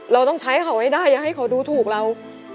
เราต้องใช้เขาให้ได้อย่าให้เขาดูถูกเรา